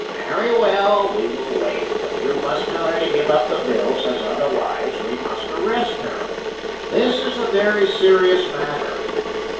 "Very well, we will wait, but you must tell her to give up the bills, as otherwise we must arrest her. This is a very serious matter.